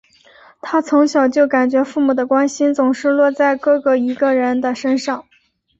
她从小就感觉父母的关心总是落在哥哥一个人的身上。